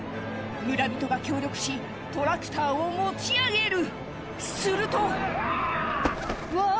村人が協力しトラクターを持ち上げるするとうわ！